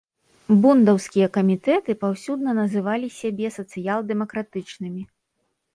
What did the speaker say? Бундаўскія камітэты паўсюдна называлі сябе сацыял-дэмакратычнымі.